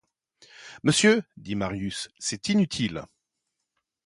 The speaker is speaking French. Monsieur, dit Marius, c'est inutile.